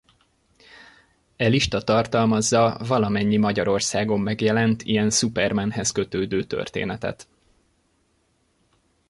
E lista tartalmazza valamennyi Magyarországon megjelent ilyen Supermanhez kötődő történetet.